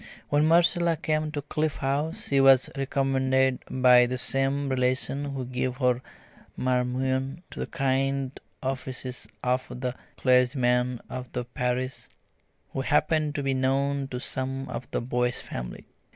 When Marcella came to Cliff House she was recommended by the same relation who gave her "Marmion" to the kind offices of the clergyman of the parish, who happened to be known to some of the Boyce family.